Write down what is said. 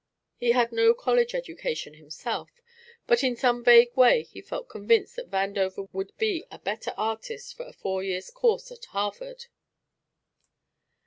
He had no college education himself, but in some vague way he felt convinced that Vandover would be a better artist for a four years' course at Harvard.